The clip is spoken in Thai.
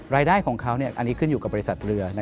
รายได้ของเขาอันนี้ขึ้นอยู่กับบริษัทเรือ